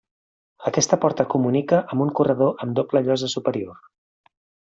Aquesta porta comunica amb un corredor amb doble llosa superior.